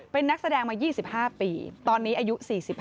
เป็นนักแสดงมา๒๕ปีตอนนี้อายุ๔๕